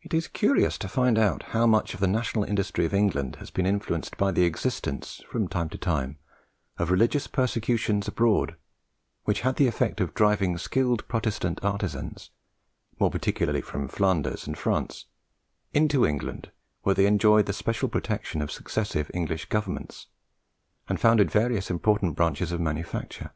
It is curious to find how much the national industry of England has been influenced by the existence from time to time of religious persecutions abroad, which had the effect of driving skilled Protestant artisans, more particularly from Flanders and France, into England, where they enjoyed the special protection of successive English Governments, and founded various important branches of manufacture.